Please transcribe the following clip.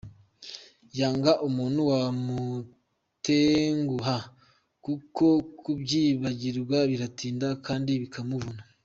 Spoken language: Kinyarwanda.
Yanga umuntu wamutenguha kuko kubyibagirwa biratinda kandi bikamuvuna.